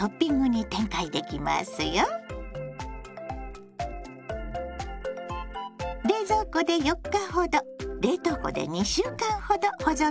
冷蔵庫で４日ほど冷凍庫で２週間ほど保存できますよ。